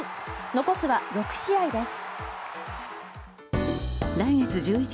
残すは６試合です。